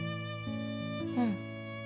うん。